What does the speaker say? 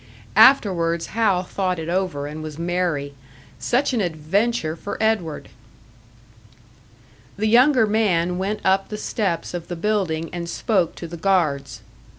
Afterwards Hal thought it over and was merry. Such an adventure for Edward! The younger man went up the steps of the building and spoke to the guards.